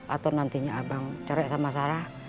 atau nantinya abang core sama sarah